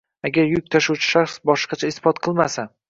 agar yuk tashuvchi shaxs boshqacha isbot qilmasa